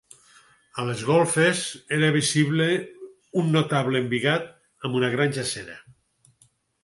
A les golfes era visible un notable embigat amb una gran jàssera.